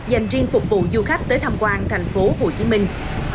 dành riêng phục vụ du khách tới tham quan thành phố hồ chí minh